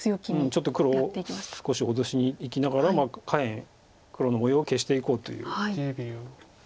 ちょっと黒を少し脅しにいきながら下辺黒の模様を消していこうという。